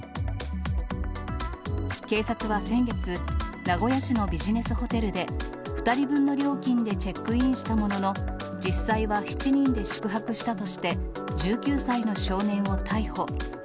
警察は先月、名古屋市のビジネスホテルで、２人分の料金でチェックインしたものの、実際は７人で宿泊したとして、１９歳の少年を逮捕。